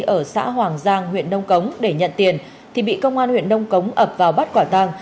ở xã hoàng giang huyện nông cống để nhận tiền thì bị công an huyện nông cống ập vào bắt quả tàng